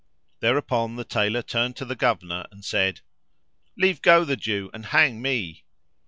Thereupon the Tailor turned to the Governor, and said, "Leave go the Jew and hang me."